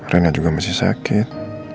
reina juga masih sakit